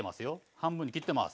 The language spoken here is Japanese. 半分に切ってます。